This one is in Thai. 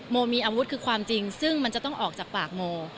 โมมีอาวุธคือความจริงซึ่งมันจะต้องออกจากปากโม